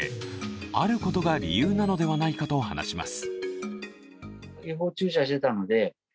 あることが理由なのではないかと話します。